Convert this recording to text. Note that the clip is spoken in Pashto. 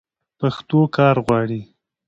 پښتو کار غواړي.